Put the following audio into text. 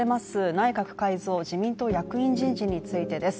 内閣改造・党役員人事についてです。